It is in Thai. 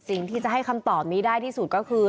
สิ่งที่จะให้คำตอบนี้ได้ที่สุดก็คือ